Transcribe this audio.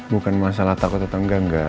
bukan masalah takut atau enggak enggak